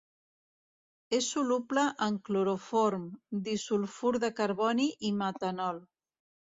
És soluble en cloroform, disulfur de carboni i metanol.